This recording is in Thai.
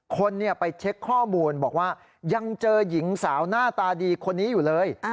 คนไปเช็คข้อมูลบอกว่ายังเจอหญิงสาวหน้าตาดีคนนี้อยู่เลย